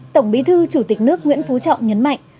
tổng bí thư chủ tịch nước nguyễn phú trọng nhấn mạnh